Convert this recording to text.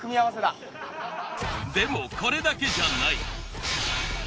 でもこれだけじゃない。